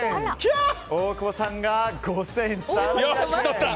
大久保さんが５３００円。